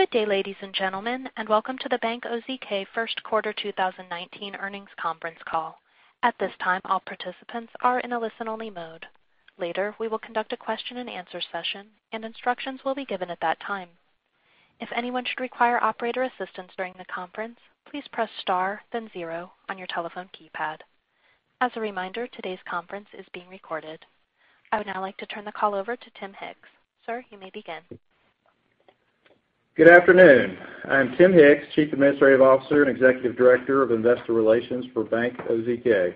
Good day, ladies and gentlemen, and welcome to the Bank OZK first quarter 2019 earnings conference call. At this time, all participants are in a listen-only mode. Later, we will conduct a question and answer session, and instructions will be given at that time. If anyone should require operator assistance during the conference, please press star then zero on your telephone keypad. As a reminder, today's conference is being recorded. I would now like to turn the call over to Tim Hicks. Sir, you may begin. Good afternoon. I am Tim Hicks, Chief Administrative Officer and Executive Director of Investor Relations for Bank OZK.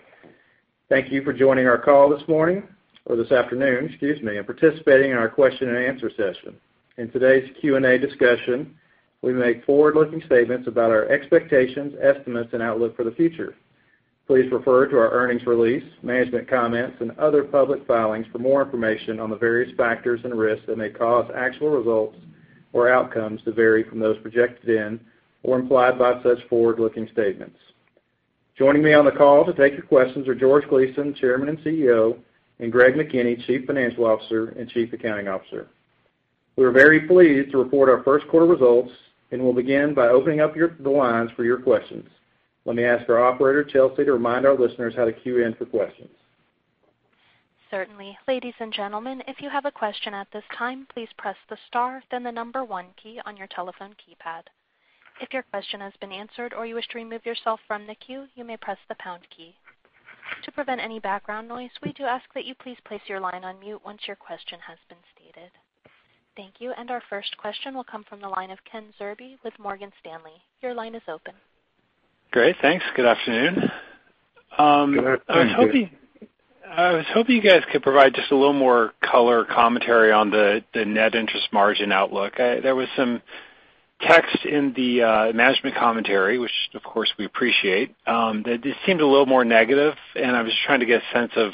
Thank you for joining our call this morning, or this afternoon, excuse me, and participating in our question and answer session. In today's Q&A discussion, we make forward-looking statements about our expectations, estimates, and outlook for the future. Please refer to our earnings release, management comments, and other public filings for more information on the various factors and risks that may cause actual results or outcomes to vary from those projected in or implied by such forward-looking statements. Joining me on the call to take your questions are George Gleason, Chairman and CEO, and Greg McKinney, Chief Financial Officer and Chief Accounting Officer. We are very pleased to report our first quarter results, and we'll begin by opening up the lines for your questions. Let me ask our operator, Chelsea, to remind our listeners how to queue in for questions. Certainly. Ladies and gentlemen, if you have a question at this time, please press the star, then the number one key on your telephone keypad. If your question has been answered or you wish to remove yourself from the queue, you may press the pound key. To prevent any background noise, we do ask that you please place your line on mute once your question has been stated. Thank you. Our first question will come from the line of Ken Zerbe with Morgan Stanley. Your line is open. Great. Thanks. Good afternoon. Good afternoon. I was hoping you guys could provide just a little more color commentary on the net interest margin outlook. There was some text in the management commentary, which, of course, we appreciate. That just seemed a little more negative, and I'm just trying to get a sense of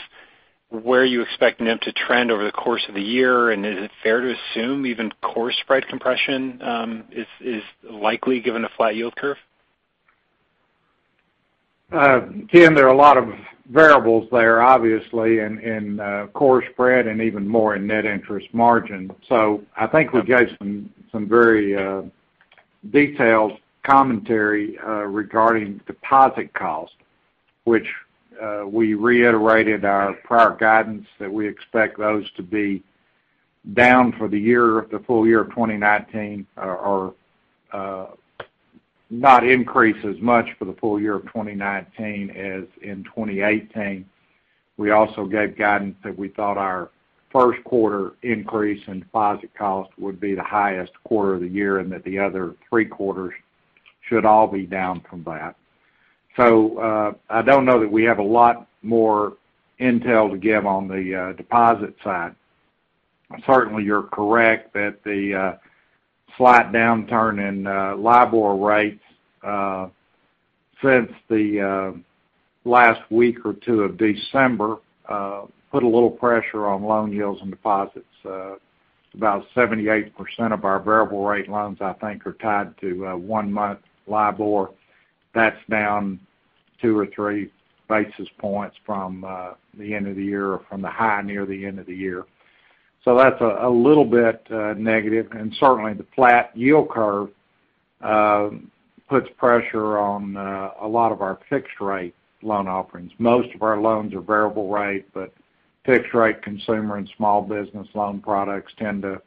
where you expect NIM to trend over the course of the year. Is it fair to assume even core spread compression is likely given a flat yield curve? Ken, there are a lot of variables there, obviously, in core spread and even more in net interest margin. I think we gave some very detailed commentary regarding deposit cost, which we reiterated our prior guidance that we expect those to be down for the full year of 2019, or not increase as much for the full year of 2019 as in 2018. We also gave guidance that we thought our first quarter increase in deposit cost would be the highest quarter of the year and that the other three quarters should all be down from that. I don't know that we have a lot more intel to give on the deposit side. Certainly, you're correct that the slight downturn in LIBOR rates since the last week or two of December put a little pressure on loan yields and deposits. About 78% of our variable rate loans, I think, are tied to one-month LIBOR. That's down two or three basis points from the end of the year or from the high near the end of the year. That's a little bit negative. Certainly, the flat yield curve puts pressure on a lot of our fixed rate loan offerings. Most of our loans are variable rate, but fixed rate consumer and small business loan products tend to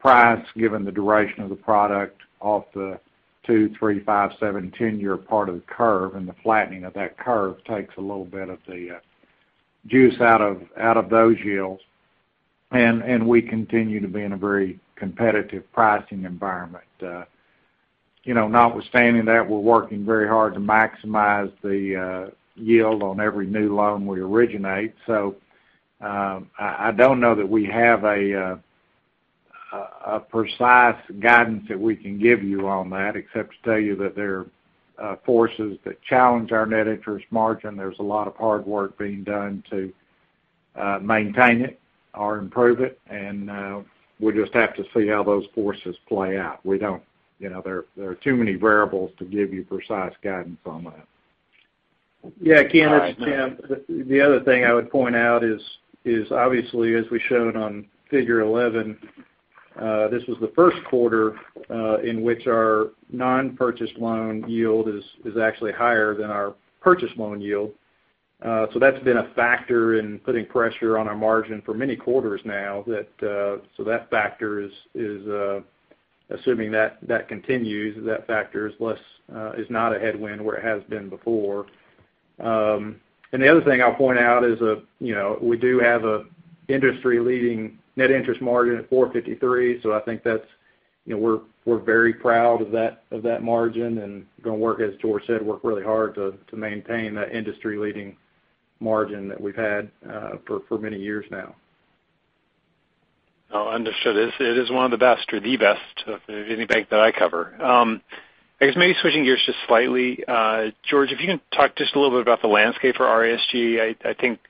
price given the duration of the product off the two, three, five, seven, 10-year part of the curve. The flattening of that curve takes a little bit of the juice out of those yields. We continue to be in a very competitive pricing environment. Notwithstanding that, we're working very hard to maximize the yield on every new loan we originate. I don't know that we have a precise guidance that we can give you on that except to tell you that there are forces that challenge our net interest margin. There's a lot of hard work being done to maintain it or improve it, we'll just have to see how those forces play out. There are too many variables to give you precise guidance on that. Yeah, Ken, this is Tim. The other thing I would point out is obviously as we showed on figure 11, this was the first quarter in which our non-purchase loan yield is actually higher than our purchase loan yield. That's been a factor in putting pressure on our margin for many quarters now. Assuming that continues, that factor is not a headwind where it has been before. The other thing I'll point out is we do have an industry-leading net interest margin at 453%. I think we're very proud of that margin and going to work, as George said, work really hard to maintain that industry-leading margin that we've had for many years now. Understood. It is one of the best or the best of any bank that I cover. I guess maybe switching gears just slightly, George, if you can talk just a little bit about the landscape for RESG. I think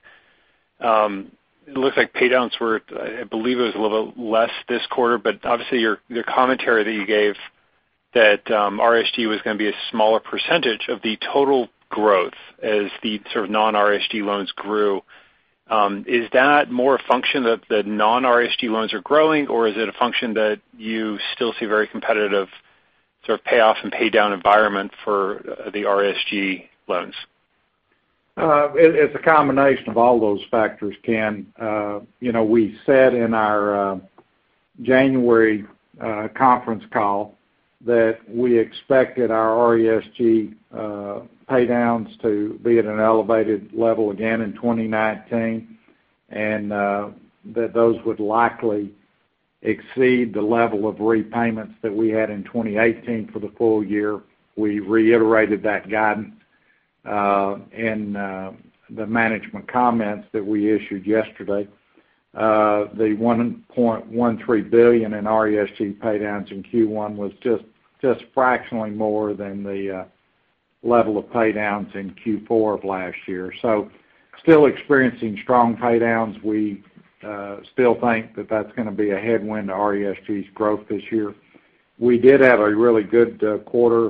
it looks like paydowns were, I believe it was a little less this quarter. Obviously, your commentary that you gave that RESG was going to be a smaller percentage of the total growth as the sort of non-RESG loans grew. Is that more a function that the non-RESG loans are growing, or is it a function that you still see very competitive sort of payoff and pay down environment for the RESG loans? It's a combination of all those factors, Ken. We said in our January conference call that we expected our RESG pay downs to be at an elevated level again in 2019, and that those would likely exceed the level of repayments that we had in 2018 for the full year. We reiterated that guidance in the management comments that we issued yesterday. The $1.13 billion in RESG pay downs in Q1 was just fractionally more than the level of pay downs in Q4 of last year. Still experiencing strong pay downs. We still think that that's going to be a headwind to RESG's growth this year. We did have a really good quarter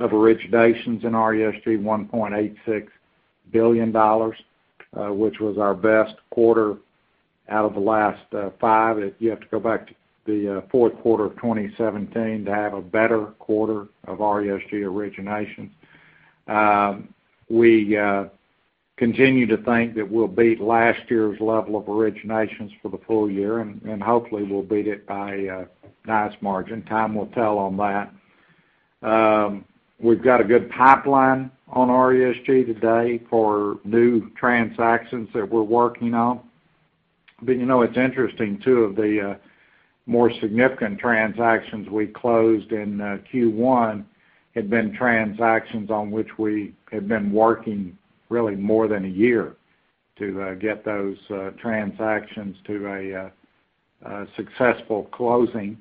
of originations in RESG, $1.86 billion, which was our best quarter out of the last five. You have to go back to the fourth quarter of 2017 to have a better quarter of RESG origination. We continue to think that we'll beat last year's level of originations for the full year. Hopefully we'll beat it by a nice margin. Time will tell on that. We've got a good pipeline on RESG today for new transactions that we're working on. It's interesting, two of the more significant transactions we closed in Q1 had been transactions on which we had been working really more than a year to get those transactions to a successful closing.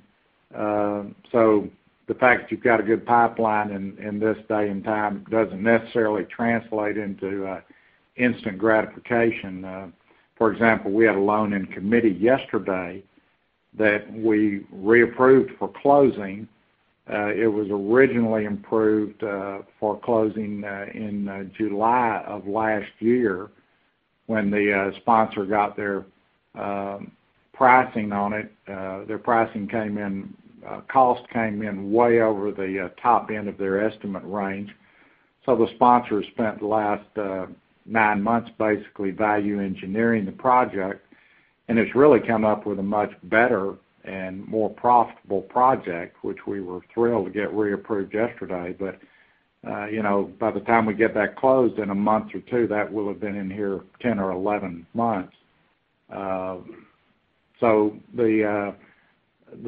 The fact that you've got a good pipeline in this day and time doesn't necessarily translate into instant gratification. For example, we had a loan in committee yesterday that we reapproved for closing. It was originally improved for closing in July of last year when the sponsor got their pricing on it. Their cost came in way over the top end of their estimate range. The sponsors spent the last nine months basically value engineering the project. It's really come up with a much better and more profitable project, which we were thrilled to get reapproved yesterday. By the time we get that closed in a month or two, that will have been in here 10 or 11 months. The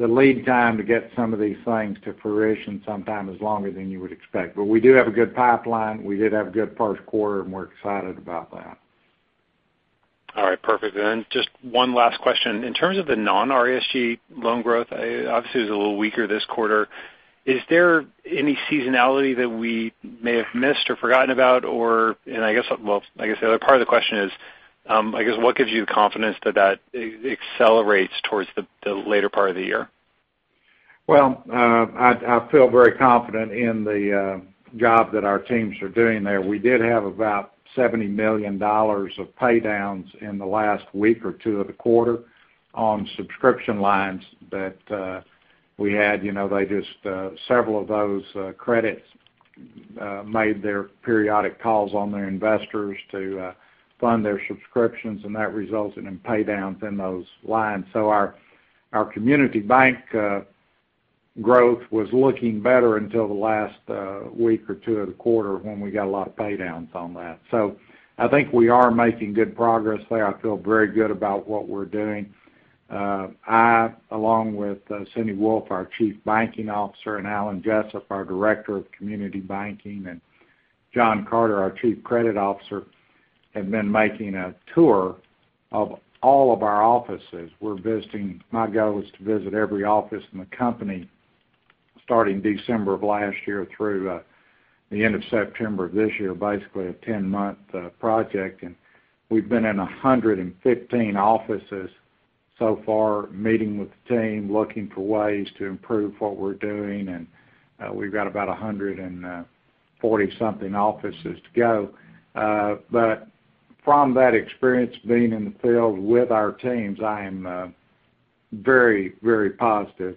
lead time to get some of these things to fruition sometime is longer than you would expect. We do have a good pipeline. We did have a good first quarter. We're excited about that. All right, perfect. Then just one last question. In terms of the non-RESG loan growth, obviously it was a little weaker this quarter. Is there any seasonality that we may have missed or forgotten about, or, I guess the other part of the question is, I guess what gives you confidence that that accelerates towards the later part of the year? I feel very confident in the job that our teams are doing there. We did have about $70 million of pay downs in the last week or two of the quarter on subscription lines that we had. Just several of those credits made their periodic calls on their investors to fund their subscriptions, and that resulted in pay downs in those lines. Our community bank growth was looking better until the last week or two of the quarter when we got a lot of pay downs on that. I think we are making good progress there. I feel very good about what we're doing. I, along with Cindy Wolfe, our Chief Banking Officer, and Alan Jessup, our Director of Community Banking, and John Carter, our Chief Credit Officer, have been making a tour of all of our offices. My goal was to visit every office in the company starting December of last year through the end of September of this year, basically a 10-month project. We've been in 115 offices so far, meeting with the team, looking for ways to improve what we're doing, and we've got about 140 something offices to go. From that experience being in the field with our teams, I am very, very positive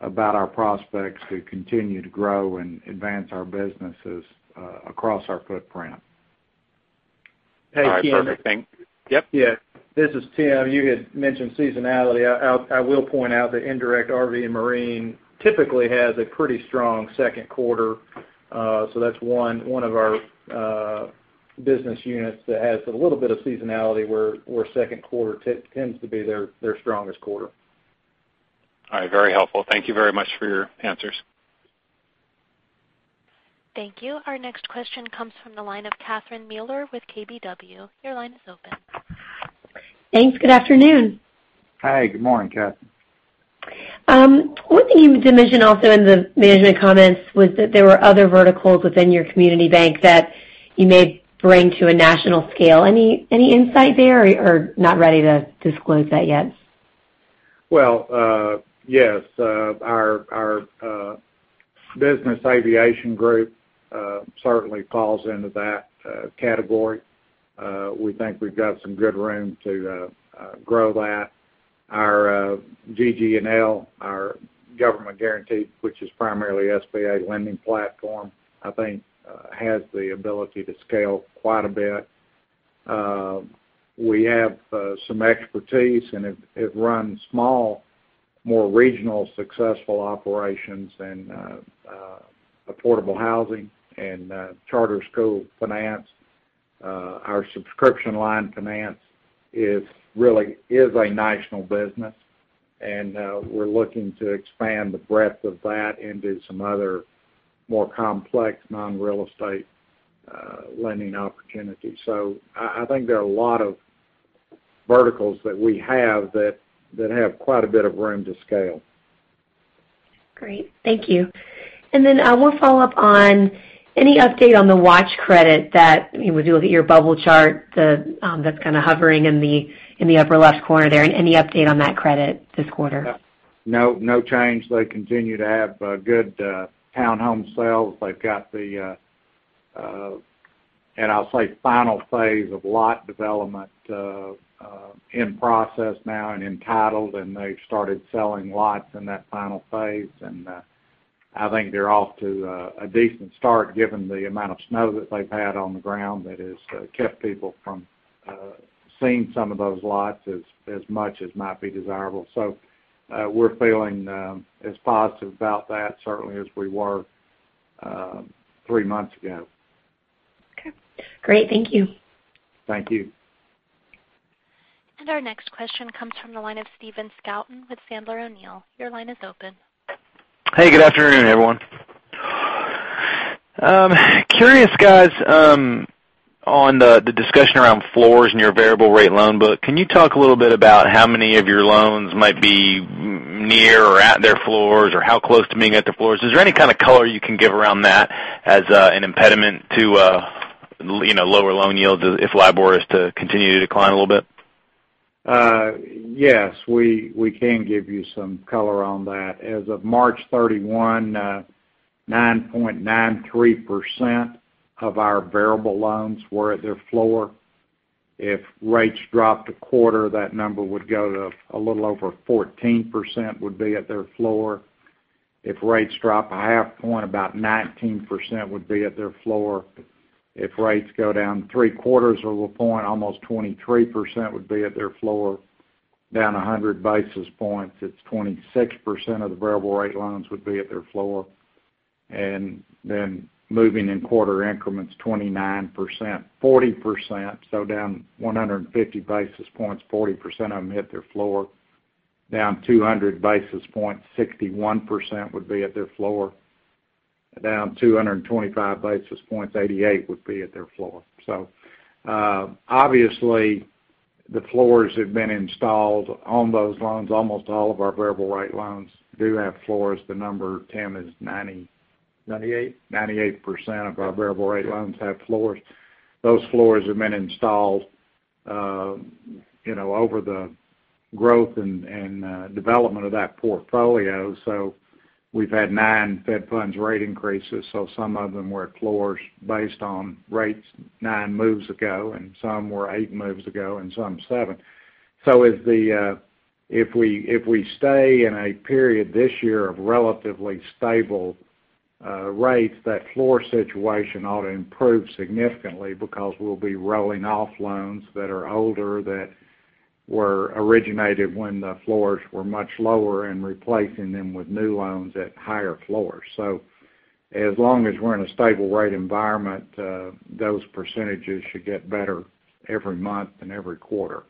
about our prospects to continue to grow and advance our businesses across our footprint. All right. Perfect. Thank you. Yep. Yeah. This is Tim. You had mentioned seasonality. I will point out that indirect RV and marine typically has a pretty strong second quarter. That's one of our business units that has a little bit of seasonality where second quarter tends to be their strongest quarter. All right. Very helpful. Thank you very much for your answers. Thank you. Our next question comes from the line of Catherine Mealor with KBW. Your line is open. Thanks. Good afternoon. Hi. Good morning, Catherine. One thing you did mention also in the management comments was that there were other verticals within your community bank that you may bring to a national scale. Any insight there, or not ready to disclose that yet? Well, yes. Our Business Aviation Group certainly falls into that category. We think we've got some good room to grow that. Our GG&L, our government guaranteed, which is primarily SBA lending platform, I think has the ability to scale quite a bit. We have some expertise, it runs small, more regional successful operations in affordable housing and charter school finance. Our subscription line finance really is a national business, and we're looking to expand the breadth of that into some other more complex non-real estate lending opportunities. I think there are a lot of verticals that we have that have quite a bit of room to scale. Great. Thank you. Then I want to follow up on any update on the watch credit that, as you look at your bubble chart, that's kind of hovering in the upper left corner there. Any update on that credit this quarter? No. No change. They continue to have good town home sales. They've got the, I'll say final phase of lot development, in process now and entitled, and they've started selling lots in that final phase. I think they're off to a decent start given the amount of snow that they've had on the ground that has kept people from seeing some of those lots as much as might be desirable. We're feeling as positive about that certainly as we were three months ago. Okay. Great. Thank you. Thank you. Our next question comes from the line of Stephen Scouten with Sandler O'Neill. Your line is open. Hey, good afternoon, everyone. Curious, guys, on the discussion around floors in your variable rate loan book, can you talk a little bit about how many of your loans might be near or at their floors, or how close to being at their floors? Is there any kind of color you can give around that as an impediment to lower loan yields if LIBOR is to continue to decline a little bit? Yes. We can give you some color on that. As of March 31, 9.93% of our variable loans were at their floor. If rates dropped a quarter, that number would go to a little over 14% would be at their floor. If rates drop a half point, about 19% would be at their floor. If rates go down three-quarters of a point, almost 23% would be at their floor. Down 100 basis points, it's 26% of the variable rate loans would be at their floor. Moving in quarter increments, 29%, 40%, down 150 basis points, 40% of them hit their floor. Down 200 basis points, 61% would be at their floor. Down 225 basis points, 88% would be at their floor. Obviously the floors have been installed on those loans. Almost all of our variable rate loans do have floors. The number, Tim, is 90- 98 98% of our variable rate loans have floors. Those floors have been installed over the growth and development of that portfolio. We've had nine Fed funds rate increases, so some of them were floors based on rates nine moves ago, and some were eight moves ago, and some seven. If we stay in a period this year of relatively stable rates, that floor situation ought to improve significantly because we'll be rolling off loans that are older, that were originated when the floors were much lower, and replacing them with new loans at higher floors. As long as we're in a stable rate environment, those percentages should get better every month and every quarter.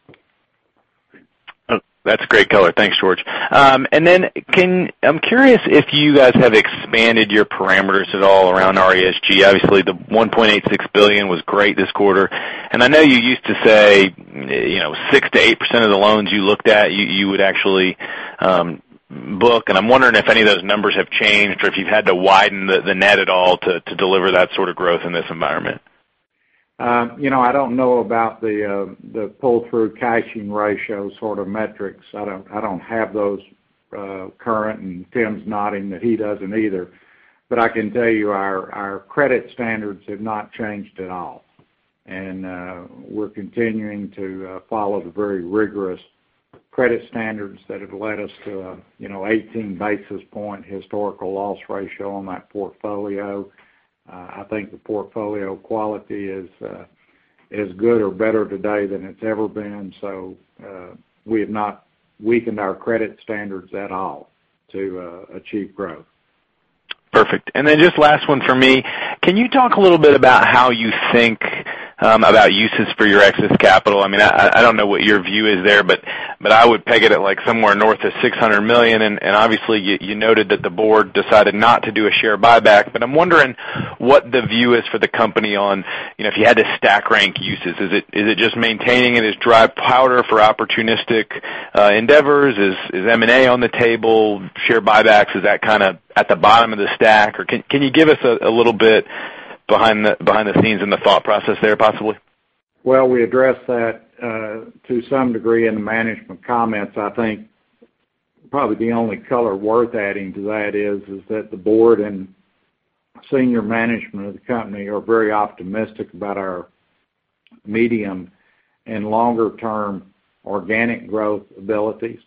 That's a great color. Thanks, George. I'm curious if you guys have expanded your parameters at all around RESG. The $1.86 billion was great this quarter. I know you used to say 6%-8% of the loans you looked at, you would actually book, and I'm wondering if any of those numbers have changed, or if you've had to widen the net at all to deliver that sort of growth in this environment. I don't know about the pull-through caching ratio sort of metrics. I don't have those current, and Tim's nodding that he doesn't either. I can tell you our credit standards have not changed at all. We're continuing to follow the very rigorous credit standards that have led us to an 18 basis point historical loss ratio on that portfolio. I think the portfolio quality is as good or better today than it's ever been. We have not weakened our credit standards at all to achieve growth. Perfect. Just last one from me. Can you talk a little bit about how you think about uses for your excess capital? I don't know what your view is there, but I would peg it at somewhere north of $600 million, and obviously, you noted that the board decided not to do a share buyback. I'm wondering what the view is for the company on if you had to stack rank uses. Is it just maintaining it as dry powder for opportunistic endeavors? Is M&A on the table? Share buybacks, is that kind of at the bottom of the stack? Can you give us a little bit behind the scenes in the thought process there, possibly? Well, we addressed that to some degree in the management comments. I think probably the only color worth adding to that is that the board and senior management of the company are very optimistic about our medium and longer-term organic growth abilities.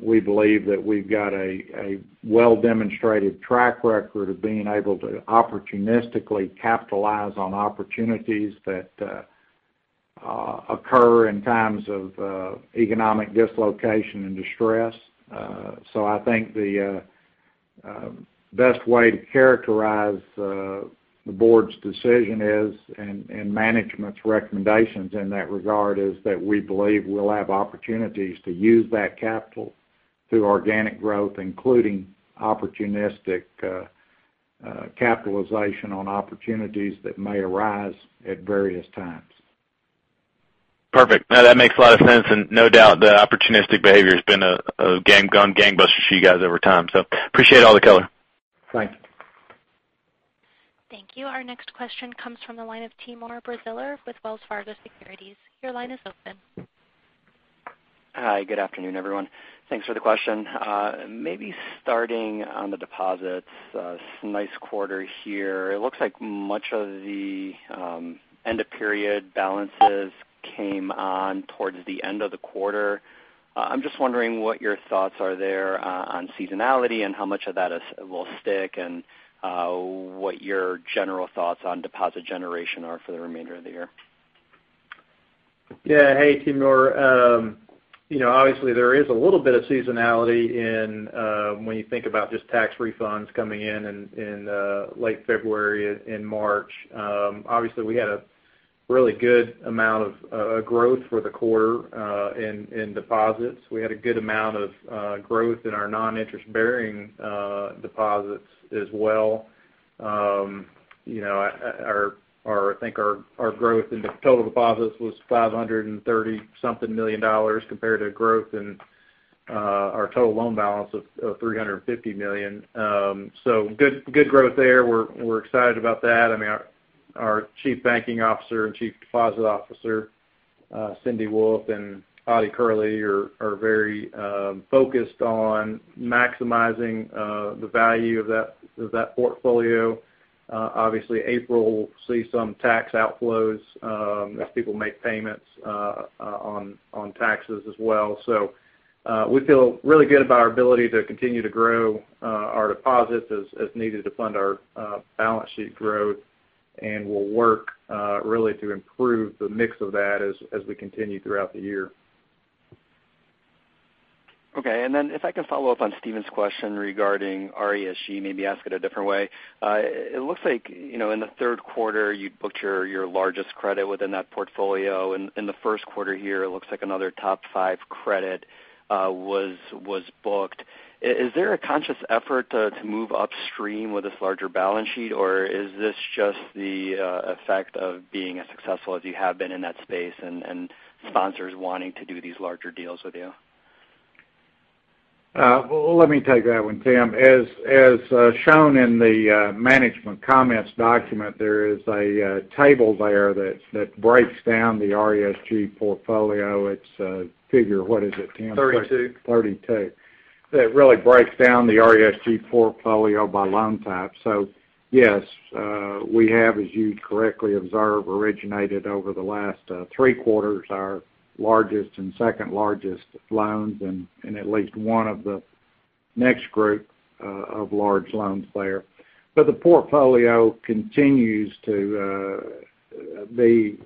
We believe that we've got a well-demonstrated track record of being able to opportunistically capitalize on opportunities that occur in times of economic dislocation and distress. I think the best way to characterize the board's decision is, and management's recommendations in that regard, is that we believe we'll have opportunities to use that capital through organic growth, including opportunistic capitalization on opportunities that may arise at various times. Perfect. No, that makes a lot of sense, and no doubt the opportunistic behavior has gone gangbusters for you guys over time. Appreciate all the color. Thank you. Thank you. Our next question comes from the line of Timur Braziler with Wells Fargo Securities. Your line is open. Hi, good afternoon, everyone. Thanks for the question. Maybe starting on the deposits, nice quarter here. It looks like much of the end-of-period balances came on towards the end of the quarter. I'm just wondering what your thoughts are there on seasonality and how much of that will stick, and what your general thoughts on deposit generation are for the remainder of the year. Yeah. Hey, Timur. Obviously, there is a little bit of seasonality when you think about just tax refunds coming in late February and March. Obviously, we had a really good amount of growth for the quarter in deposits. We had a good amount of growth in our non-interest-bearing deposits as well. I think our growth in total deposits was $530-something million compared to growth in our total loan balance of $350 million. Good growth there. We're excited about that. Our Chief Banking Officer and Chief Deposit Officer, Cindy Wolfe and Ottie Kerley, are very focused on maximizing the value of that portfolio. Obviously, April will see some tax outflows as people make payments on taxes as well. We feel really good about our ability to continue to grow our deposits as needed to fund our balance sheet growth, and we'll work really to improve the mix of that as we continue throughout the year. If I can follow up on Stephen's question regarding RESG, maybe ask it a different way. It looks like in the third quarter, you booked your largest credit within that portfolio. In the first quarter here, it looks like another top five credit was booked. Is there a conscious effort to move upstream with this larger balance sheet, or is this just the effect of being as successful as you have been in that space and sponsors wanting to do these larger deals with you? Let me take that one, Tim. As shown in the management comments document, there is a table there that breaks down the RESG portfolio. It's figure, what is it, Tim? Thirty-two. 32. That really breaks down the RESG portfolio by loan type. Yes, we have, as you correctly observe, originated over the last three quarters our largest and second largest loans and at least one of the next group of large loans there. The portfolio continues to be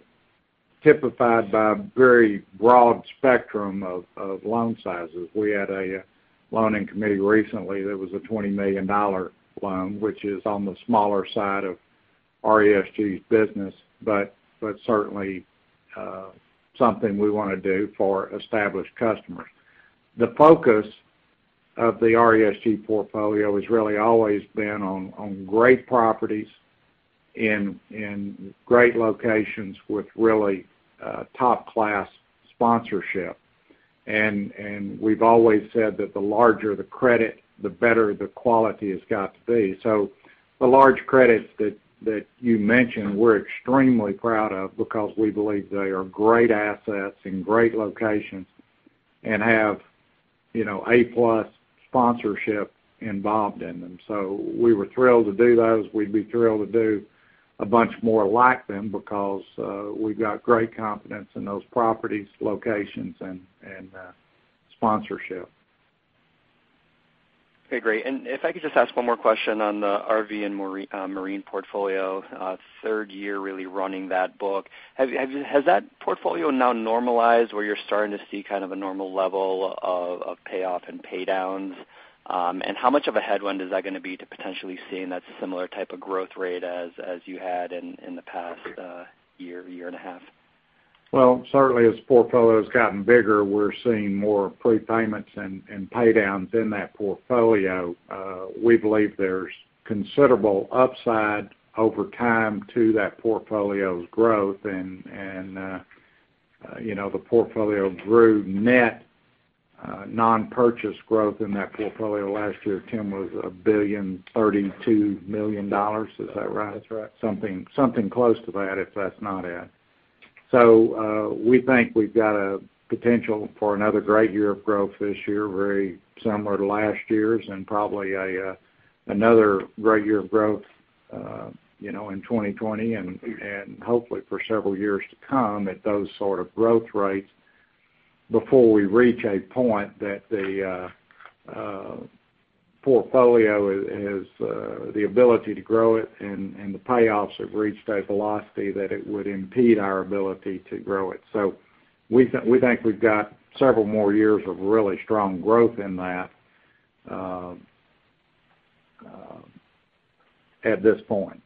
typified by a very broad spectrum of loan sizes. We had a loan in committee recently that was a $20 million loan, which is on the smaller side of RESG's business, but certainly something we want to do for established customers. The focus of the RESG portfolio has really always been on great properties in great locations with really top-class sponsorship. We've always said that the larger the credit, the better the quality has got to be. The large credits that you mentioned, we're extremely proud of because we believe they are great assets in great locations and have A-plus sponsorship involved in them. We were thrilled to do those. We'd be thrilled to do a bunch more like them because we've got great confidence in those properties, locations, and sponsorship. If I could just ask one more question on the RV and marine portfolio. Third year really running that book. Has that portfolio now normalized where you're starting to see kind of a normal level of payoff and paydowns? How much of a headwind is that going to be to potentially seeing that similar type of growth rate as you had in the past year and a half? Well, certainly as the portfolio's gotten bigger, we're seeing more prepayments and paydowns in that portfolio. We believe there's considerable upside over time to that portfolio's growth. The portfolio grew net non-purchase growth in that portfolio last year, Tim, was $1,032 million. Is that right? That's right. Something close to that, if that's not it. We think we've got a potential for another great year of growth this year, very similar to last year's, probably another great year of growth in 2020, hopefully for several years to come at those sort of growth rates before we reach a point that the portfolio has the ability to grow it and the payoffs have reached a velocity that it would impede our ability to grow it. We think we've got several more years of really strong growth in that at this point.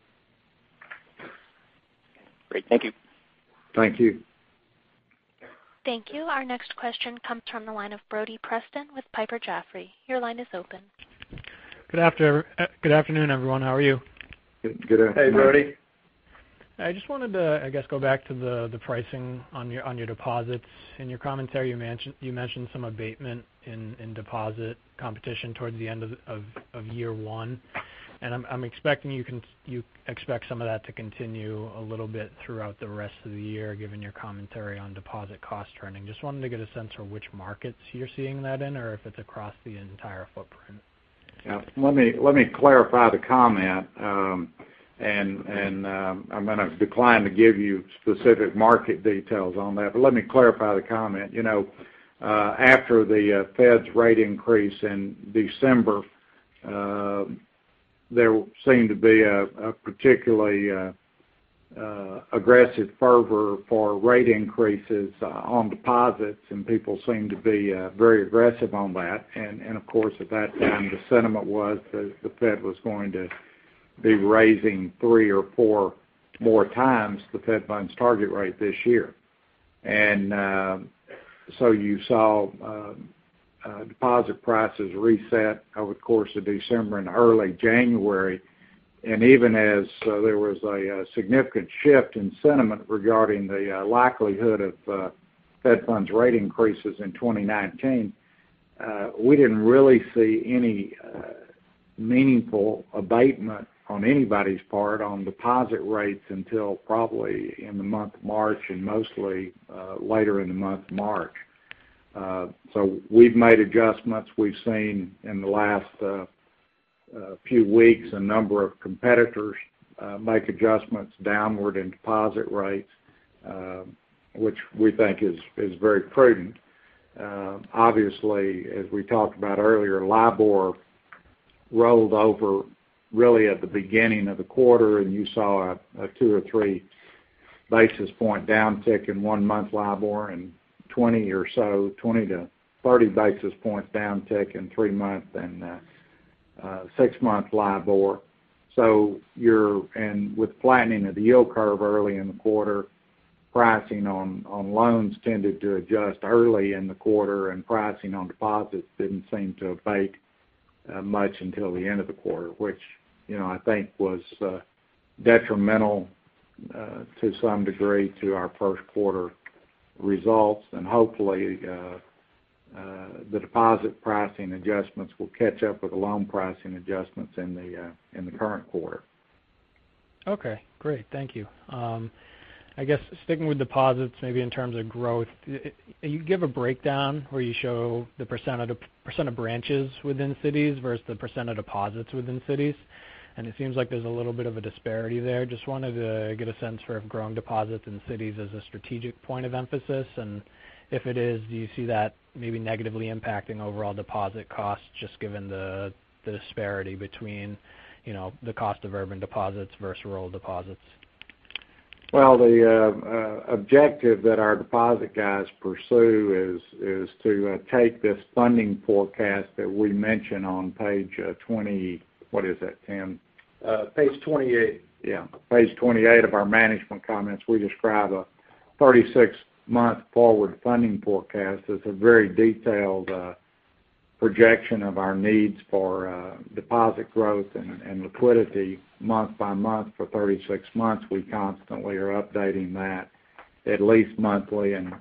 Great. Thank you. Thank you. Thank you. Our next question comes from the line of Brody Preston with Piper Jaffray. Your line is open. Good afternoon, everyone. How are you? Good afternoon. Hey, Brody. I just wanted to, I guess, go back to the pricing on your deposits. In your commentary, you mentioned some abatement in deposit competition towards the end of year one. I'm expecting you expect some of that to continue a little bit throughout the rest of the year, given your commentary on deposit cost trending. Just wanted to get a sense for which markets you're seeing that in, or if it's across the entire footprint. Yeah. Let me clarify the comment. I'm going to decline to give you specific market details on that. Let me clarify the comment. After the Fed's rate increase in December, there seemed to be a particularly aggressive fervor for rate increases on deposits. People seemed to be very aggressive on that. Of course, at that time, the sentiment was that the Fed was going to be raising three or four more times the Fed Funds target rate this year. You saw deposit prices reset over the course of December and early January. Even as there was a significant shift in sentiment regarding the likelihood of Fed Funds rate increases in 2019, we didn't really see any meaningful abatement on anybody's part on deposit rates until probably in the month of March, and mostly later in the month of March. We've made adjustments. We've seen in the last few weeks, a number of competitors make adjustments downward in deposit rates, which we think is very prudent. Obviously, as we talked about earlier, LIBOR rolled over really at the beginning of the quarter, you saw a two or three basis point downtick in one-month LIBOR and 20 or so, 20 to 30 basis points downtick in three-month and six-month LIBOR. With flattening of the yield curve early in the quarter, pricing on loans tended to adjust early in the quarter, and pricing on deposits didn't seem to abate much until the end of the quarter, which I think was detrimental to some degree to our first quarter results. Hopefully, the deposit pricing adjustments will catch up with the loan pricing adjustments in the current quarter. Okay, great. Thank you. I guess sticking with deposits, maybe in terms of growth, you give a breakdown where you show the % of branches within cities versus the % of deposits within cities, and it seems like there's a little bit of a disparity there. Just wanted to get a sense for growing deposits in cities as a strategic point of emphasis, and if it is, do you see that maybe negatively impacting overall deposit costs, just given the disparity between the cost of urban deposits versus rural deposits? Well, the objective that our deposit guys pursue is to take this funding forecast that we mention on page 20. What is that, Tim? Page 28. Yeah. Page 28 of our management comments. We describe a 36-month forward funding forecast. It is a very detailed projection of our needs for deposit growth and liquidity month by month for 36 months. We constantly are updating that at least monthly and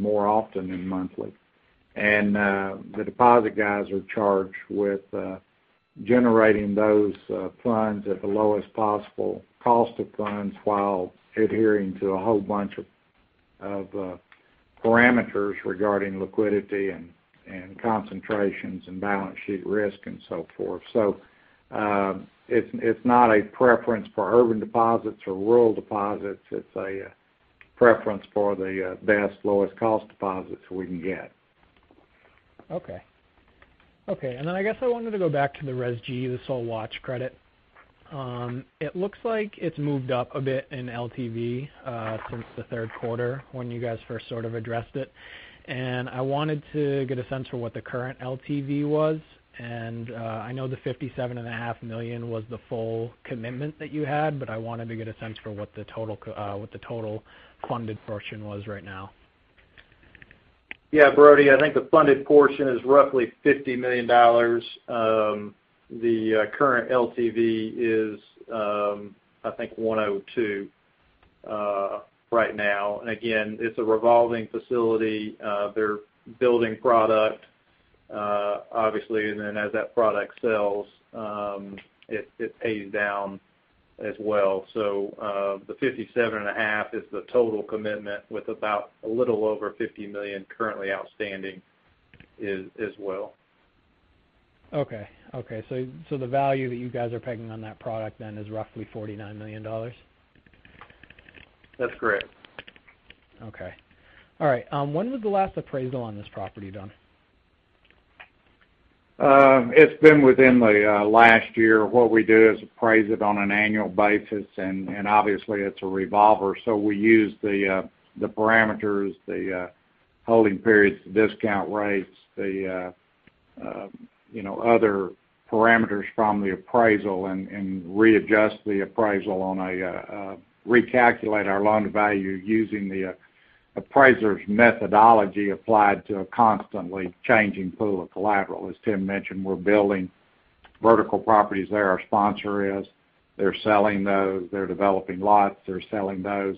more often than monthly. The deposit guys are charged with generating those funds at the lowest possible cost of funds while adhering to a whole bunch of parameters regarding liquidity and concentrations and balance sheet risk and so forth. It is not a preference for urban deposits or rural deposits. It is a preference for the best, lowest cost deposits we can get. Okay. I guess I wanted to go back to the RESG, this whole watch credit. It looks like it is moved up a bit in LTV since the third quarter when you guys first sort of addressed it. I wanted to get a sense for what the current LTV was, and I know the $57.5 million was the full commitment that you had, but I wanted to get a sense for what the total funded portion was right now. Yeah, Brodie, I think the funded portion is roughly $50 million. The current LTV is, I think, 102. Right now. Again, it is a revolving facility. They are building product, obviously, and then as that product sells, it pays down as well. The $57.5 million is the total commitment with about a little over $50 million currently outstanding as well. Okay. The value that you guys are pegging on that product then is roughly $49 million? That's correct. Okay. All right. When was the last appraisal on this property done? It's been within the last year. What we do is appraise it on an annual basis, obviously, it's a revolver, we use the parameters, the holding periods, the discount rates, the other parameters from the appraisal, recalculate our loan value using the appraiser's methodology applied to a constantly changing pool of collateral. As Tim mentioned, we're building vertical properties there. Our sponsor is. They're selling those. They're developing lots. They're selling those,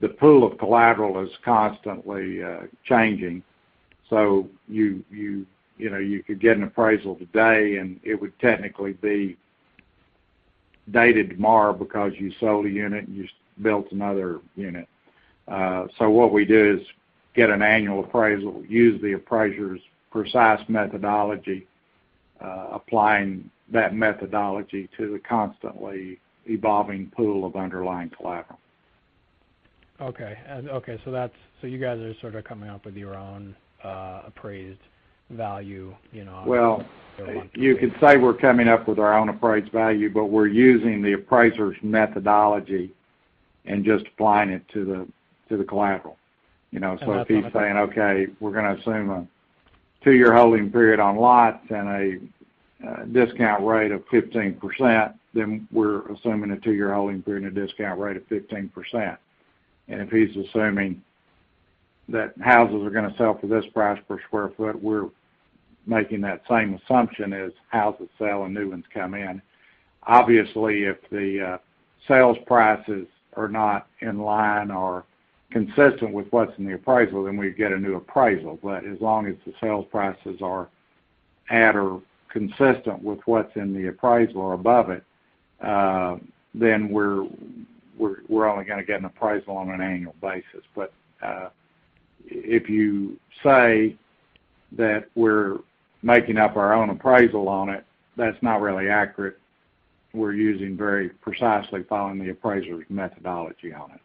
the pool of collateral is constantly changing. You could get an appraisal today, and it would technically be dated tomorrow because you sold a unit, and you built another unit. What we do is get an annual appraisal, use the appraiser's precise methodology, applying that methodology to the constantly evolving pool of underlying collateral. Okay. You guys are sort of coming up with your own appraised value on a monthly- You could say we're coming up with our own appraised value, but we're using the appraiser's methodology and just applying it to the collateral. That's what I- If he's saying, okay, we're going to assume a two-year holding period on lots and a discount rate of 15%, then we're assuming a two-year holding period, a discount rate of 15%. If he's assuming that houses are going to sell for this price per square foot, we're making that same assumption as houses sell and new ones come in. Obviously, if the sales prices are not in line or consistent with what's in the appraisal, then we'd get a new appraisal. As long as the sales prices are at or consistent with what's in the appraisal or above it, then we're only going to get an appraisal on an annual basis. If you say that we're making up our own appraisal on it, that's not really accurate. We're using very precisely following the appraiser's methodology on it.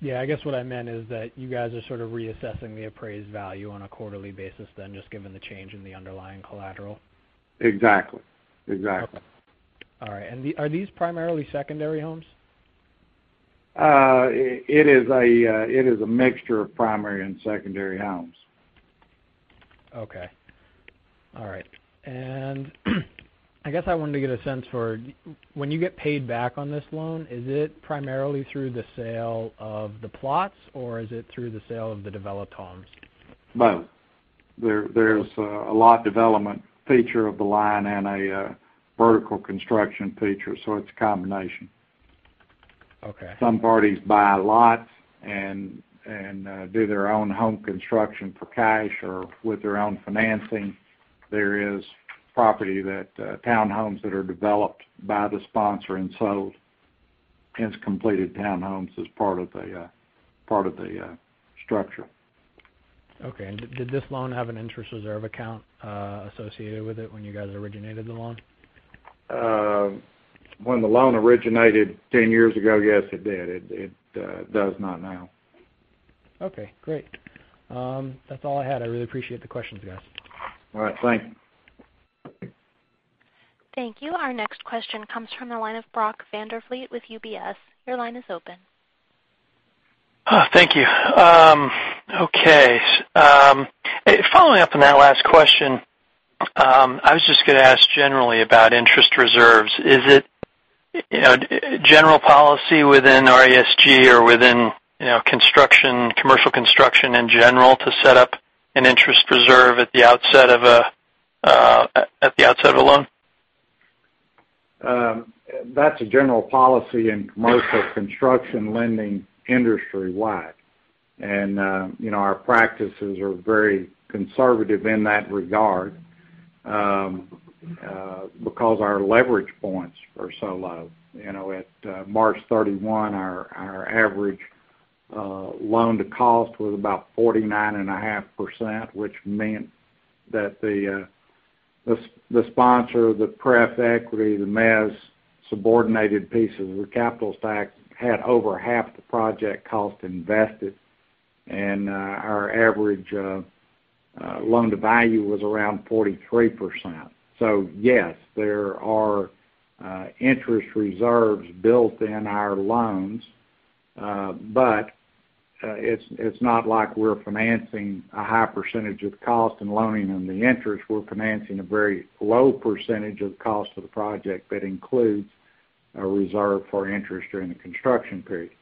Yeah, I guess what I meant is that you guys are sort of reassessing the appraised value on a quarterly basis then, just given the change in the underlying collateral. Exactly. Okay. All right. Are these primarily secondary homes? It is a mixture of primary and secondary homes. Okay. All right. I guess I wanted to get a sense for when you get paid back on this loan, is it primarily through the sale of the plots, or is it through the sale of the developed homes? Both. There's a lot development feature of the line and a vertical construction feature, it's a combination. Okay. Some parties buy lots and do their own home construction for cash or with their own financing. There is property, townhomes that are developed by the sponsor and sold as completed townhomes as part of the structure. Okay. Did this loan have an interest reserve account associated with it when you guys originated the loan? When the loan originated 10 years ago, yes, it did. It does not now. Okay, great. That's all I had. I really appreciate the questions, guys. All right. Thank you. Thank you. Our next question comes from the line of Brock Vandervliet with UBS. Your line is open. Thank you. Okay. Following up on that last question, I was just going to ask generally about interest reserves. Is it general policy within RESG or within commercial construction in general to set up an interest reserve at the outset of a loan? That's a general policy in commercial construction lending industry-wide. Our practices are very conservative in that regard because our leverage points are so low. At March 31, our average loan to cost was about 49.5%, which meant that the sponsor, the pref equity, the mezz subordinated pieces of the capital stack had over half the project cost invested, and our average loan to value was around 43%. Yes, there are interest reserves built in our loans, but it's not like we're financing a high percentage of the cost and loaning on the interest. We're financing a very low percentage of the cost of the project that includes a reserve for interest during the construction period.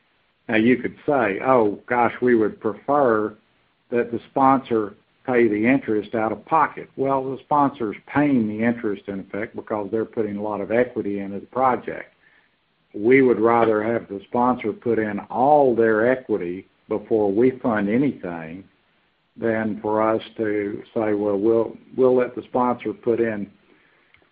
You could say, "Oh, gosh, we would prefer that the sponsor pay the interest out of pocket." The sponsor's paying the interest, in effect, because they're putting a lot of equity into the project. We would rather have the sponsor put in all their equity before we fund anything than for us to say, "Well, we'll let the sponsor put in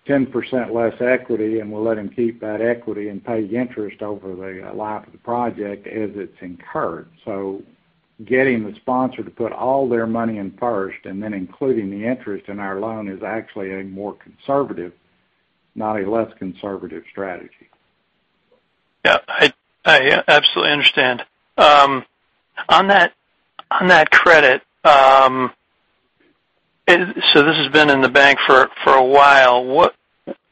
10% less equity, and we'll let him keep that equity and pay the interest over the life of the project as it's incurred." Getting the sponsor to put all their money in first, and then including the interest in our loan is actually a more conservative, not a less conservative strategy. Yeah. I absolutely understand. On that credit, so this has been in the bank for a while. What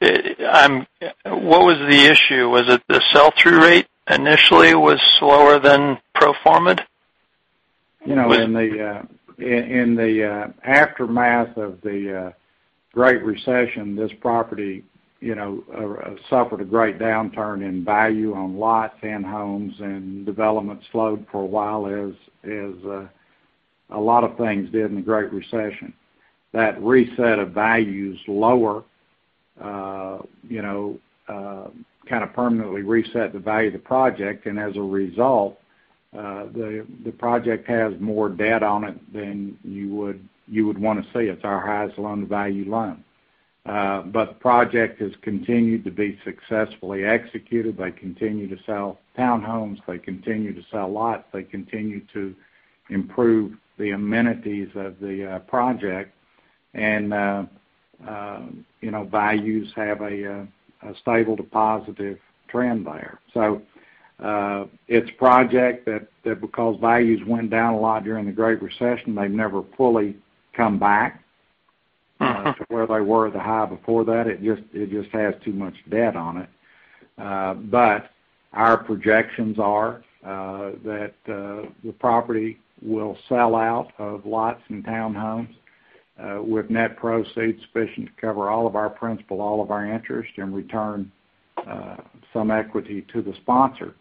was the issue? Was it the sell-through rate initially was slower than pro forma? In the aftermath of the Great Recession, this property suffered a great downturn in value on lots and homes, development slowed for a while as a lot of things did in the Great Recession. That reset of values lower kind of permanently reset the value of the project. As a result, the project has more debt on it than you would want to see. It's our highest loan-to-value loan. The project has continued to be successfully executed. They continue to sell townhomes. They continue to sell lots. They continue to improve the amenities of the project. Values have a stable to positive trend there. It's a project that because values went down a lot during the Great Recession, they've never fully come back. to where they were at the high before that. It just has too much debt on it. Our projections are that the property will sell out of lots and townhomes, with net proceeds sufficient to cover all of our principal, all of our interest, and return some equity to the sponsor.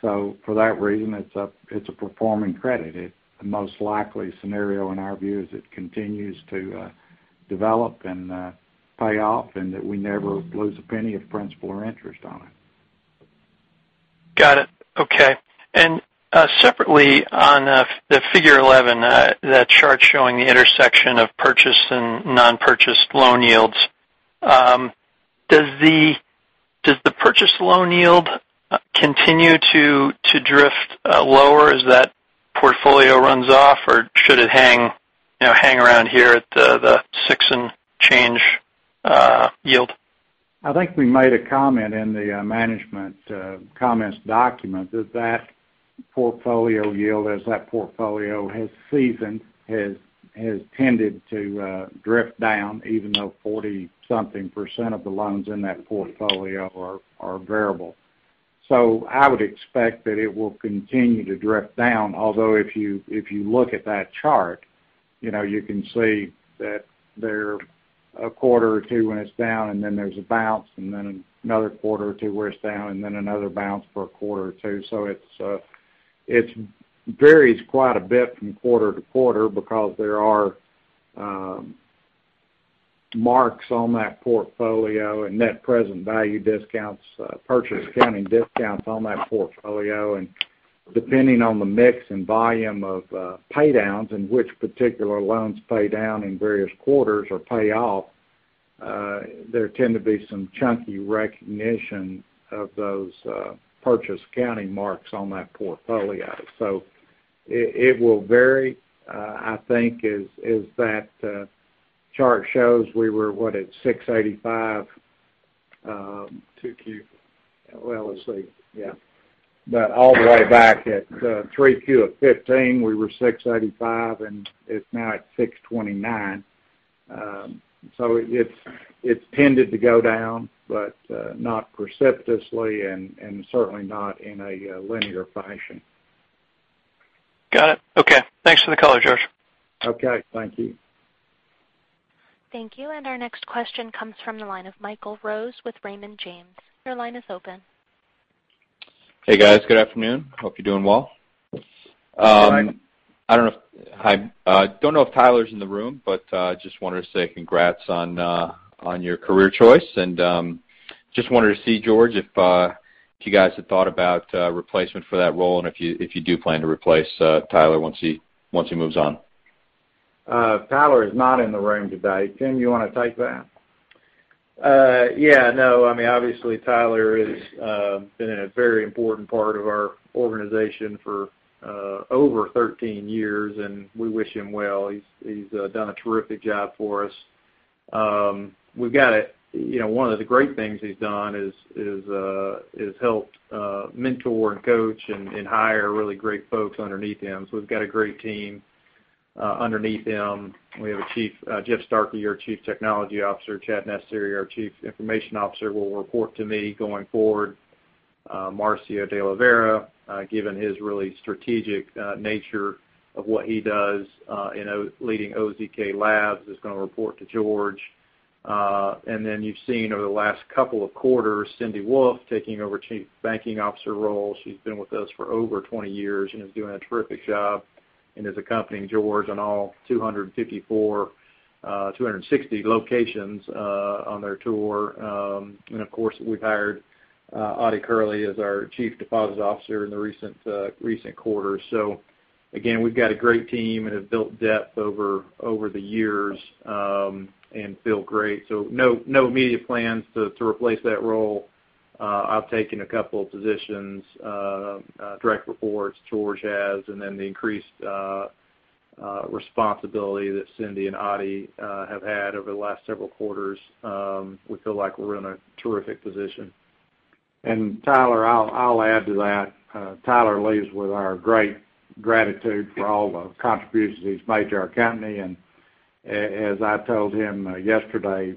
For that reason, it's a performing credit. The most likely scenario, in our view, is it continues to develop and pay off, and that we never lose a penny of principal or interest on it. Got it. Okay. Separately, on the figure 11, that chart showing the intersection of purchased and non-purchased loan yields, does the purchased loan yield continue to drift lower as that portfolio runs off, or should it hang around here at the six and change yield? I think we made a comment in the management comments document that that portfolio yield, as that portfolio has seasoned, has tended to drift down, even though 40-something% of the loans in that portfolio are variable. I would expect that it will continue to drift down. Although if you look at that chart, you can see that there are a quarter or two when it's down, and then there's a bounce, and then another quarter or two where it's down, and then another bounce for a quarter or two. It varies quite a bit from quarter to quarter because there are marks on that portfolio and net present value discounts, purchase accounting discounts on that portfolio. Depending on the mix and volume of paydowns and which particular loans pay down in various quarters or pay off, there tend to be some chunky recognition of those purchase accounting marks on that portfolio. It will vary. I think as that chart shows, we were, what, at 685. 2Q. Well, let's see. Yeah. All the way back at 3Q of 2015, we were 685, and it's now at 629. It's tended to go down, but not precipitously and certainly not in a linear fashion. Got it. Okay. Thanks for the color, George. Okay. Thank you. Thank you. Our next question comes from the line of Michael Rose with Raymond James. Your line is open. Hey, guys. Good afternoon. Hope you're doing well. Hi. I don't know if Tyler's in the room, but just wanted to say congrats on your career choice. Just wanted to see, George, if you guys had thought about replacement for that role and if you do plan to replace Tyler once he moves on. Tyler is not in the room today. Tim, you want to take that? Yeah. No, obviously Tyler has been a very important part of our organization for over 13 years. We wish him well. He's done a terrific job for us. One of the great things he's done is helped mentor and coach and hire really great folks underneath him. We've got a great team underneath him. We have Jason Cathey, our Chief Technology Officer, Chad Necessary, our Chief Information Officer, will report to me going forward. Marcio de Oliveira, given his really strategic nature of what he does in leading OZK Labs, is going to report to George. You've seen over the last couple of quarters, Cindy Wolfe taking over Chief Banking Officer role. She's been with us for over 20 years and is doing a terrific job, and is accompanying George on all 254, 260 locations on their tour. Of course, we've hired Ottie Kerley as our Chief Deposit Officer in the recent quarter. Again, we've got a great team and have built depth over the years, and feel great. No immediate plans to replace that role. I've taken a couple of positions, direct reports, George has, and then the increased responsibility that Cindy and Ottie have had over the last several quarters. We feel like we're in a terrific position. Tyler, I'll add to that. Tyler leaves with our great gratitude for all the contributions he's made to our company. As I told him yesterday,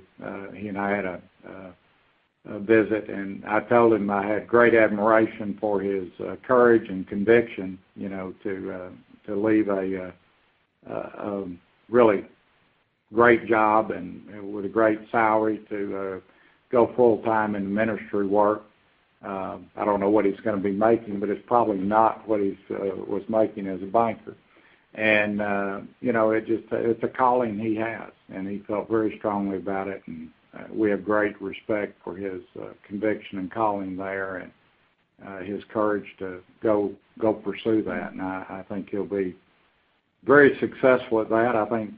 he and I had a visit, and I told him I had great admiration for his courage and conviction to leave a really great job and with a great salary to go full time in ministry work. I don't know what he's going to be making, but it's probably not what he was making as a banker. It's a calling he has, and he felt very strongly about it. We have great respect for his conviction and calling there and his courage to go pursue that. I think he'll be very successful at that. I think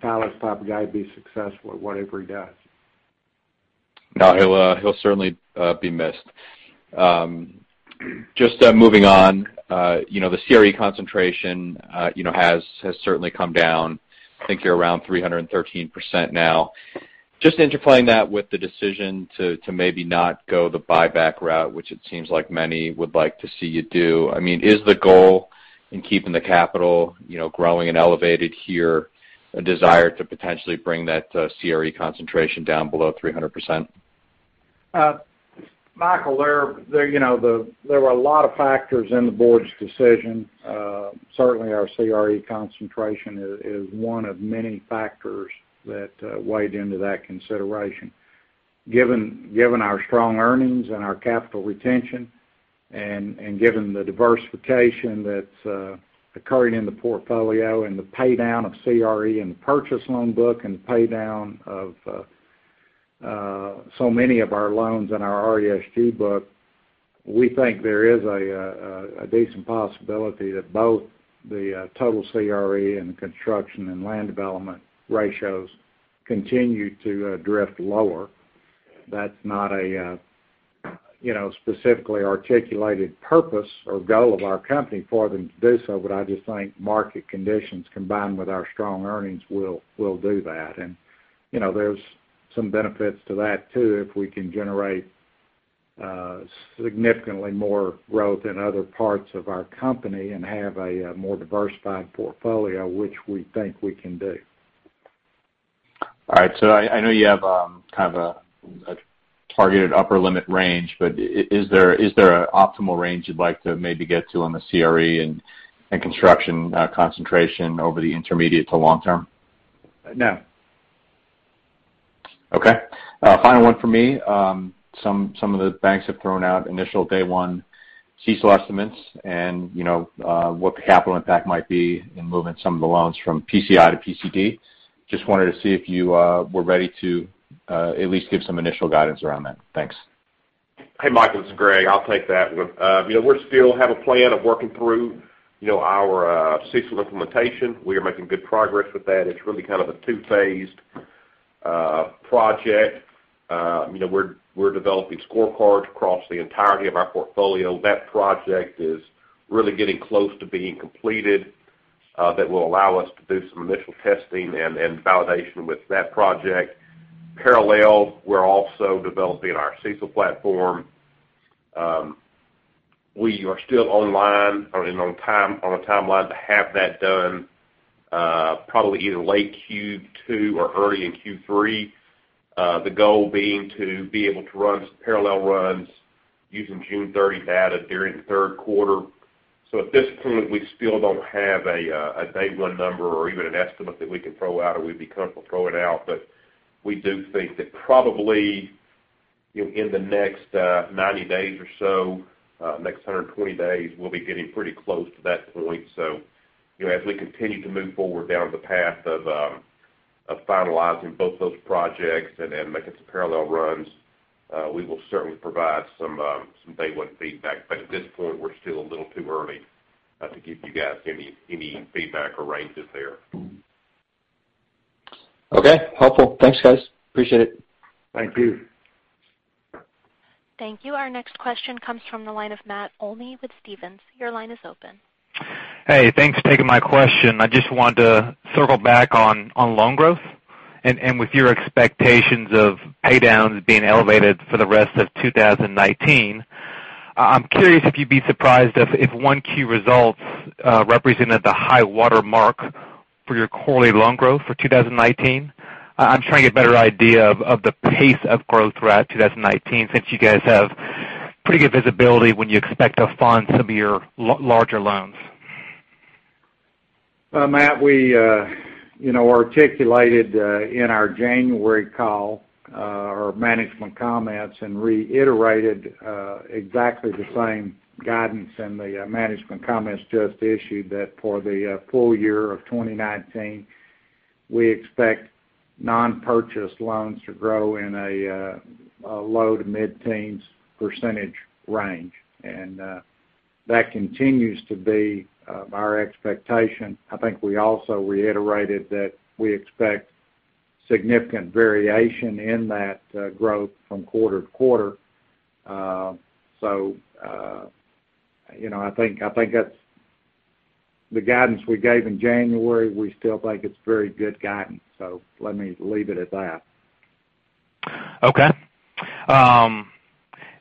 Tyler's the type of guy who'd be successful at whatever he does. No, he'll certainly be missed. Just moving on. The CRE concentration has certainly come down. I think you're around 313% now. Just interplaying that with the decision to maybe not go the buyback route, which it seems like many would like to see you do. Is the goal in keeping the capital growing and elevated here, a desire to potentially bring that CRE concentration down below 300%? Michael, there were a lot of factors in the board's decision. Certainly, our CRE concentration is one of many factors that weighed into that consideration. Given our strong earnings and our capital retention, and given the diversification that's occurring in the portfolio and the pay-down of CRE and the purchase loan book and the pay-down of so many of our loans in our RESG book, we think there is a decent possibility that both the total CRE and the construction and land development ratios continue to drift lower. That's not a specifically articulated purpose or goal of our company for them to do so, but I just think market conditions, combined with our strong earnings, will do that. There's some benefits to that, too, if we can generate significantly more growth in other parts of our company and have a more diversified portfolio, which we think we can do. I know you have kind of a targeted upper limit range, but is there an optimal range you'd like to maybe get to on the CRE and construction concentration over the intermediate to long term? No. Okay. Final one from me. Some of the banks have thrown out initial day one CECL estimates, and what the capital impact might be in moving some of the loans from PCI to PCD. I just wanted to see if you were ready to at least give some initial guidance around that. Thanks. Hey, Michael, this is Greg. I'll take that one. We still have a plan of working through our CECL implementation. We are making good progress with that. It's really kind of a two-phased project. We're developing scorecards across the entirety of our portfolio. That project is really getting close to being completed. That will allow us to do some initial testing and validation with that project. Parallel, we're also developing our CECL platform. We are still online, or on a timeline to have that done probably either late Q2 or early in Q3. The goal being to be able to run parallel runs using June 30 data during the third quarter. At this point, we still don't have a day one number or even an estimate that we can throw out, or we'd be comfortable throwing out. We do think that probably in the next 90 days or so, next 120 days, we'll be getting pretty close to that point. As we continue to move forward down the path of finalizing both those projects and then making some parallel runs, we will certainly provide some day one feedback. At this point, we're still a little too early to give you guys any feedback or ranges there. Okay, helpful. Thanks, guys. Appreciate it. Thank you. Thank you. Our next question comes from the line of Matt Olney with Stephens. Your line is open. Hey, thanks for taking my question. I just wanted to circle back on loan growth and with your expectations of pay-downs being elevated for the rest of 2019. I'm curious if you'd be surprised if one Q results represented the high water mark for your quarterly loan growth for 2019. I'm trying to get a better idea of the pace of growth throughout 2019, since you guys have pretty good visibility when you expect to fund some of your larger loans. Matt, we articulated in our January call, our management comments, and reiterated exactly the same guidance in the management comments just issued, that for the full year of 2019, we expect non-purchase loans to grow in a low- to mid-teens % range. That continues to be our expectation. I think we also reiterated that we expect significant variation in that growth from quarter to quarter. I think the guidance we gave in January, we still think it's very good guidance. Let me leave it at that. Okay.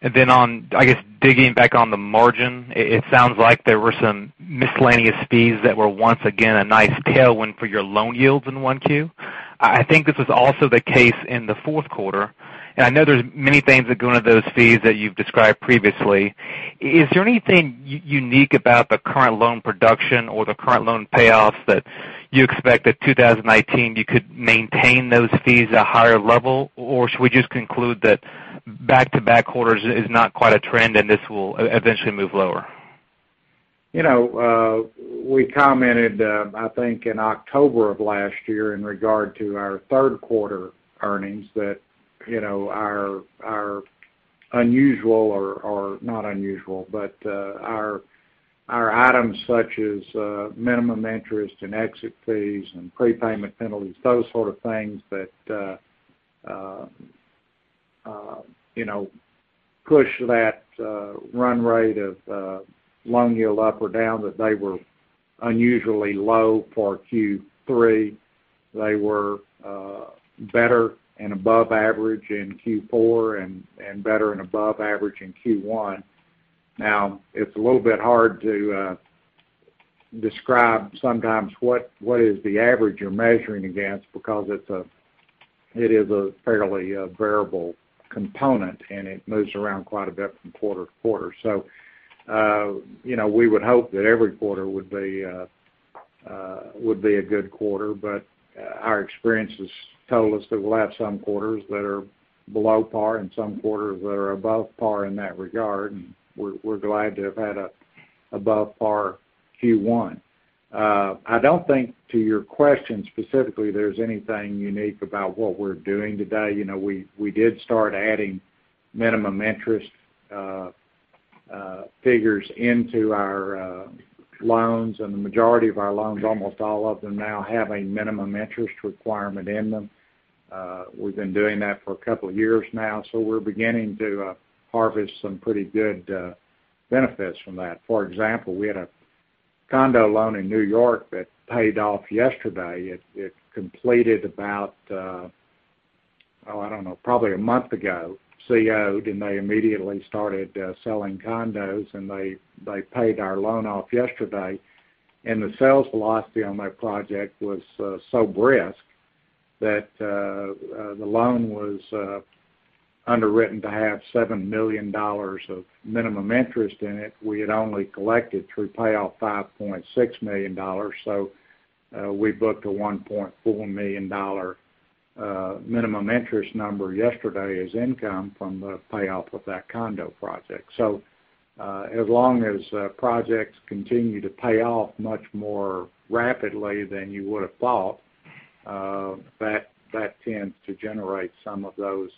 Then on, I guess, digging back on the margin, it sounds like there were some miscellaneous fees that were, once again, a nice tailwind for your loan yields in 1Q. I think this was also the case in the fourth quarter, and I know there's many things that go into those fees that you've described previously. Is there anything unique about the current loan production or the current loan payoffs that you expect that 2019, you could maintain those fees at a higher level? Should we just conclude that back-to-back quarters is not quite a trend, and this will eventually move lower? We commented, I think, in October of last year in regard to our third quarter earnings that our unusual, or not unusual, but our items such as minimum interest and exit fees and prepayment penalties, those sort of things that push that run rate of loan yield up or down, that they were unusually low for Q3. They were better and above average in Q4, and better and above average in Q1. It's a little bit hard to describe sometimes what is the average you're measuring against because it is a fairly variable component, and it moves around quite a bit from quarter to quarter. We would hope that every quarter would be a good quarter, but our experience has told us that we'll have some quarters that are below par and some quarters that are above par in that regard. We're glad to have had an above-par Q1. I don't think, to your question specifically, there's anything unique about what we're doing today. We did start adding minimum interest figures into our loans, and the majority of our loans, almost all of them now, have a minimum interest requirement in them. We've been doing that for a couple of years now. We're beginning to harvest some pretty good benefits from that. For example, we had a condo loan in New York that paid off yesterday. It completed about, oh, I don't know, probably a month ago, C of O'd. They immediately started selling condos, and they paid our loan off yesterday. The sales velocity on that project was so brisk that the loan was underwritten to have $7 million of minimum interest in it. We had only collected through payoff $5.6 million. We booked a $1.4 million minimum interest number yesterday as income from the payoff of that condo project. As long as projects continue to pay off much more rapidly than you would've thought, that tends to generate some of those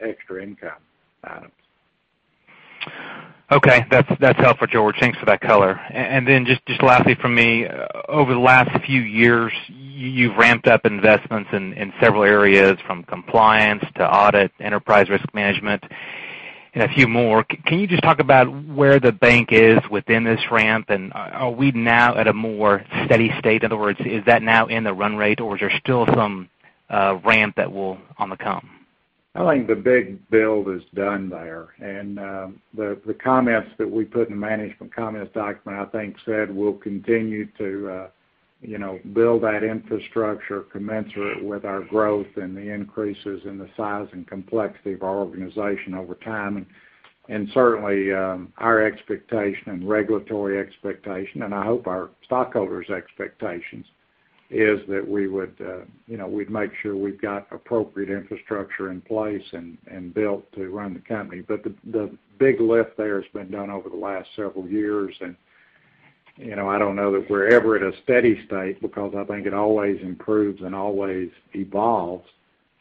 extra income items. Okay. That's helpful, George. Thanks for that color. Just lastly from me, over the last few years, you've ramped up investments in several areas, from compliance to audit, enterprise risk management, and a few more. Can you just talk about where the bank is within this ramp, and are we now at a more steady state? In other words, is that now in the run rate, or is there still some ramp that will on the come? I think the big build is done there. The comments that we put in the management comments document, I think, said we'll continue to build that infrastructure commensurate with our growth and the increases in the size and complexity of our organization over time. Certainly, our expectation and regulatory expectation, and I hope our stockholders' expectations, is that we'd make sure we've got appropriate infrastructure in place and built to run the company. The big lift there has been done over the last several years, and I don't know that we're ever at a steady state because I think it always improves and always evolves.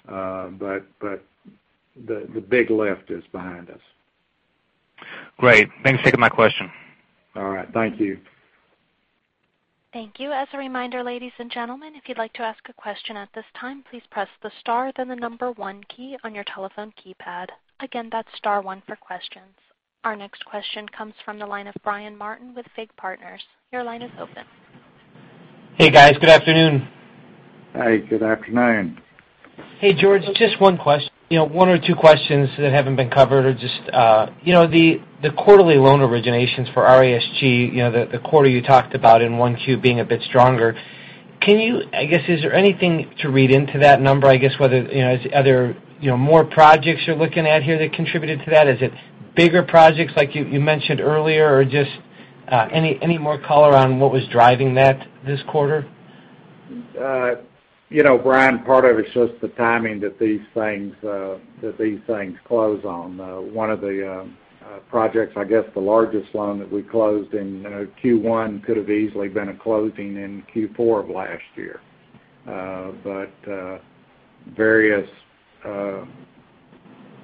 The big lift is behind us. Great. Thanks for taking my question. All right. Thank you. Thank you. As a reminder, ladies and gentlemen, if you'd like to ask a question at this time, please press the star then the number 1 key on your telephone keypad. Again, that's star 1 for questions. Our next question comes from the line of Brian Martin with FIG Partners. Your line is open. Hey, guys. Good afternoon. Hi, good afternoon. Hey, George. Just one question. One or two questions that haven't been covered. The quarterly loan originations for RESG, the quarter you talked about in 1Q being a bit stronger. I guess, is there anything to read into that number? I guess, are there more projects you're looking at here that contributed to that? Is it bigger projects like you mentioned earlier? Any more color on what was driving that this quarter? Brian, part of it's just the timing that these things close on. One of the projects, I guess the largest loan that we closed in Q1 could have easily been a closing in Q4 of last year. Various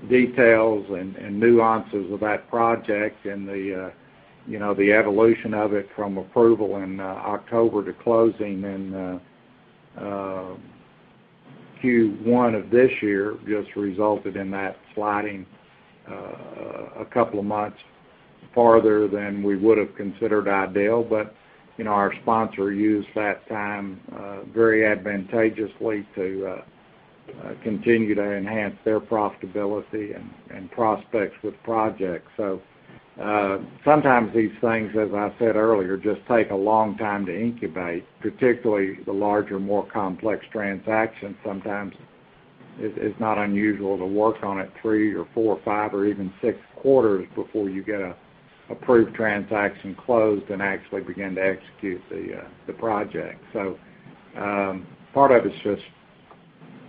details and nuances of that project and the evolution of it from approval in October to closing in Q1 of this year just resulted in that sliding a couple of months farther than we would've considered ideal. Our sponsor used that time very advantageously to continue to enhance their profitability and prospects with projects. Sometimes these things, as I said earlier, just take a long time to incubate, particularly the larger, more complex transactions. Sometimes it's not unusual to work on it three or four, five, or even six quarters before you get a approved transaction closed and actually begin to execute the project. Part of it's just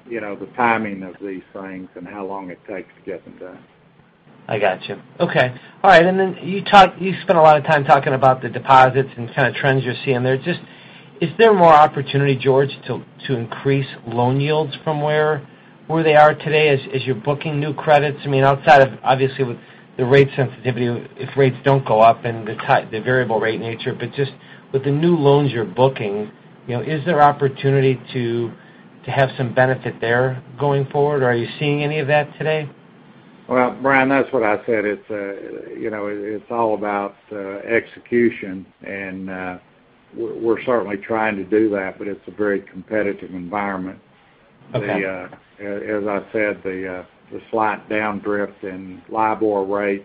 the timing of these things and how long it takes to get them done. I got you. Okay. All right. You spent a lot of time talking about the deposits and kind of trends you're seeing there. Just, is there more opportunity, George, to increase loan yields from where they are today as you're booking new credits? I mean, outside of, obviously, with the rate sensitivity, if rates don't go up and the variable rate nature. Just with the new loans you're booking, is there opportunity to have some benefit there going forward? Are you seeing any of that today? Well, Brian Martin, that's what I said. It's all about execution, and we're certainly trying to do that, but it's a very competitive environment. Okay. As I said, the slight downdrift in LIBOR rates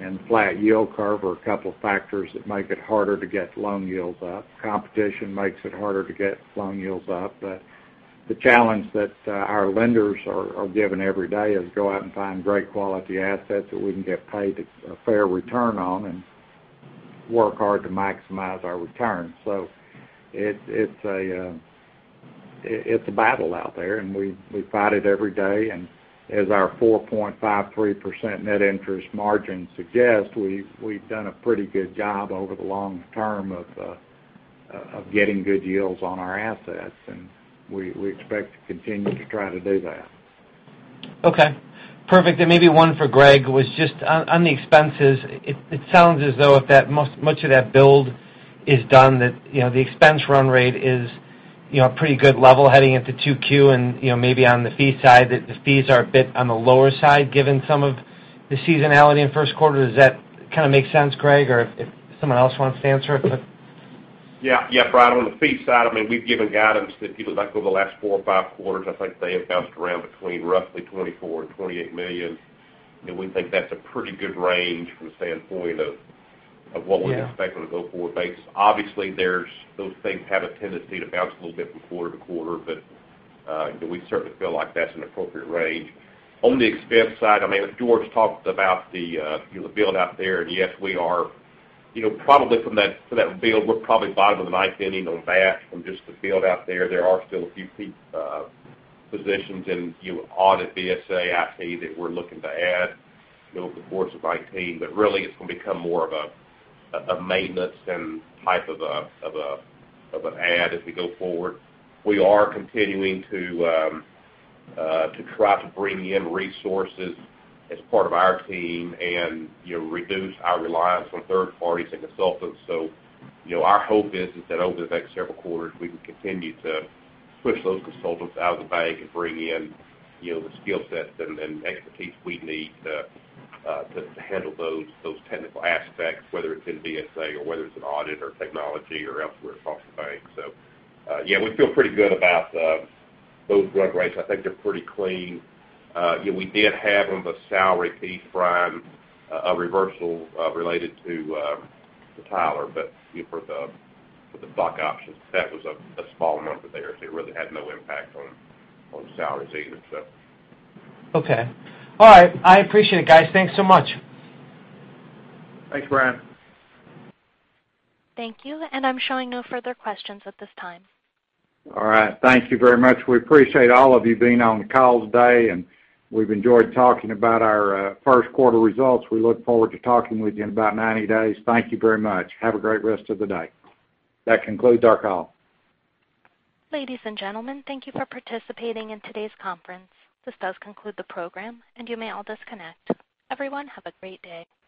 and flat yield curve are a couple of factors that make it harder to get loan yields up. Competition makes it harder to get loan yields up. The challenge that our lenders are given every day is go out and find great quality assets that we can get paid a fair return on and work hard to maximize our returns. It's a battle out there, and we fight it every day. As our 4.53% net interest margin suggests, we've done a pretty good job over the long term of getting good yields on our assets, and we expect to continue to try to do that. Okay. Perfect. Maybe one for Greg McKinney was just on the expenses. It sounds as though if that much of that build is done, that the expense run rate is a pretty good level heading into 2Q and maybe on the fee side, that the fees are a bit on the lower side given some of the seasonality in first quarter. Does that kind of make sense, Greg McKinney, or if someone else wants to answer it? Yeah, Brian Martin, on the fee side, I mean, we've given guidance that if you look back over the last four or five quarters, I think they have bounced around between roughly $24 million and $28 million. We think that's a pretty good range from the standpoint of what we're expecting to go forward base. Obviously, those things have a tendency to bounce a little bit from quarter to quarter, but we certainly feel like that's an appropriate range. On the expense side, I mean, as George Gleason talked about the build out there, and yes, we're probably bottom of the ninth inning on that from just the build-out there. There are still a few key positions in audit, BSA, IT that we're looking to add over the course of 2019. Really, it's going to become more of a maintenance and type of an add as we go forward. We are continuing to try to bring in resources as part of our team and reduce our reliance on third parties and consultants. Our hope is that over the next several quarters, we can continue to push those consultants out of the bank and bring in the skill sets and expertise we need to handle those technical aspects, whether it's in BSA or whether it's in audit or technology or elsewhere across the bank. Yeah, we feel pretty good about those run rates. I think they're pretty clean. We did have on the salary piece, Brian, a reversal related to Tyler, but for the stock options, that was a small number there, so it really had no impact on salaries either. Okay. All right. I appreciate it, guys. Thanks so much. Thanks, Brian. Thank you. I'm showing no further questions at this time. All right. Thank you very much. We appreciate all of you being on the call today, and we've enjoyed talking about our first quarter results. We look forward to talking with you in about 90 days. Thank you very much. Have a great rest of the day. That concludes our call. Ladies and gentlemen, thank you for participating in today's conference. This does conclude the program, and you may all disconnect. Everyone, have a great day.